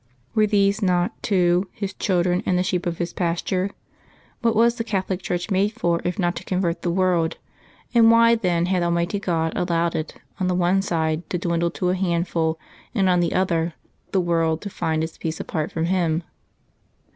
Were these not, too, His children and the sheep of His pasture? What was the Catholic Church made for if not to convert the world, and why then had Almighty God allowed it, on the one side, to dwindle to a handful, and, on the other, the world to find its peace apart from Him?